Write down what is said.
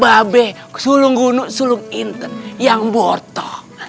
babe sulung gunuk sulung intern yang borto